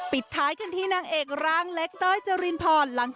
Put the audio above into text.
ปิดท้ายกันที่นางเอกร่างเล็กเต้ยเจรินพร